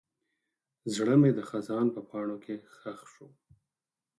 زړه مې د خزان په پاڼو کې ښخ شو.